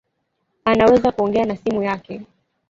Anaweza kuongea na simu yake